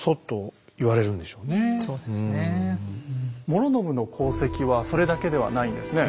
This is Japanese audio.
師宣の功績はそれだけではないんですね。